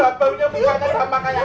aku tidak akan melepaskan kalian